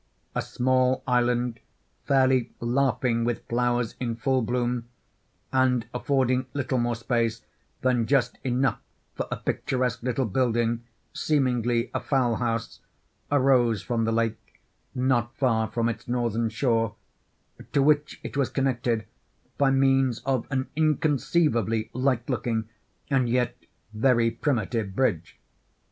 A small island, fairly laughing with flowers in full bloom, and affording little more space than just enough for a picturesque little building, seemingly a fowl house—arose from the lake not far from its northern shore—to which it was connected by means of an inconceivably light looking and yet very primitive bridge.